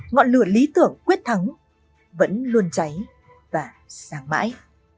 ngọn lửa lý tưởng quyết thắng vẫn luôn cháy và sáng mãi